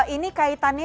ini kaitannya juga